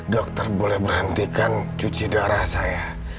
dokter boleh berhentikan cuci darah saya